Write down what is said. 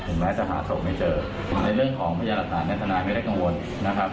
ถึงแม้จะหาศพไม่เจอในเรื่องของประยะหลักฐานและท่านายไม่ได้กังวลนะครับ